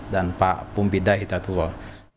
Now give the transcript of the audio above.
dan pak pompidah hidayatullah